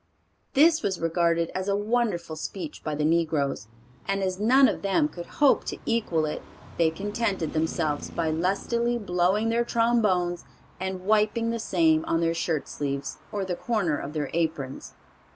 This was regarded as a wonderful speech by the negroes, and as none of them could hope to equal it, they contented themselves by lustily blowing their trombones and wiping the same on their shirt sleeves, or the corner of their aprons.